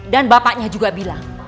dan bapaknya juga bilang